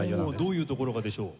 どういうところがでしょう？